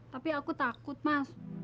tapi aku takut mas